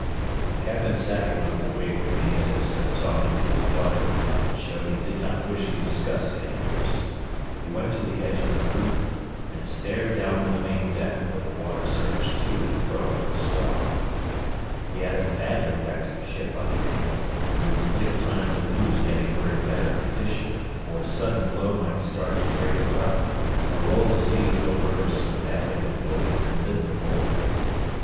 Captain Sackett moved away from me as I stood talking to his daughter and showed he did not wish to discuss Andrews. He went to the edge of the poop and stared down on the main deck where the water surged to and fro with the swell. He had a badly wrecked ship under him, and there was little time to lose getting her in better condition, for a sudden blow might start to break her up, or roll the seas over her so badly that no one could live aboard.